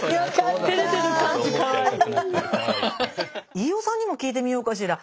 飯尾さんにも聞いてみようかしら。